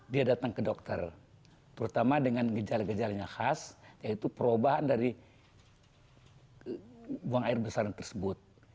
dia datang ke dokter terutama dengan gejala gejalanya khas yaitu perubahan dari buang air besar tersebut